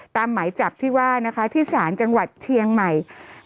ตามหมายจับที่ว่าที่สารจังหวัดเทียงใหม่